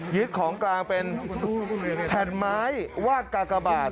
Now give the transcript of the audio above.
ของกลางเป็นแผ่นไม้วาดกากบาท